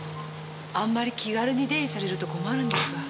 あんまり気軽に出入りされると困るんですが。